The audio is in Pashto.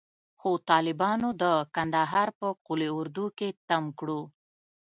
خو طالبانو د کندهار په قول اردو کښې تم کړو.